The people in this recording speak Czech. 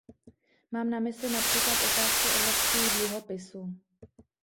Mám na mysli například otázku evropských dluhopisů.